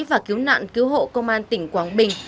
và cứu nạn cứu hộ công an tỉnh quảng bình